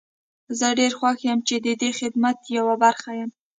زه ډير خوښ يم چې ددې خدمت يوه برخه يم.